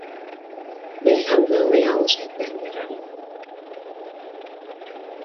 Берәй һанды ғына яңылыш әйтмәһәм ярар ине.